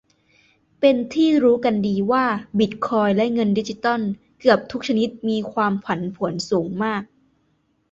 เป็นที่รู้กันดีว่าบิตคอยน์และเงินดิจิทัลเกือบทุกชนิดมีความผันผวนสูงมาก